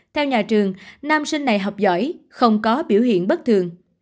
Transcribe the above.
theo nhà trường nam sinh này học giỏi không có biểu hiện bất thường